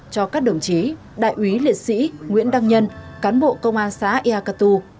cho các đồng chí đại úy liệt sĩ nguyễn đăng nhân cán bộ công an xã yà cơ tu